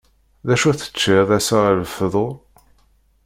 D acu teččiḍ assa ɣer lfeḍur?